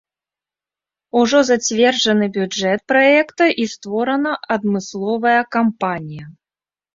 Ужо зацверджаны бюджэт праекта і створана адмысловая кампанія.